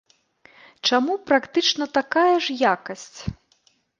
Чаму практычна такая ж якасць?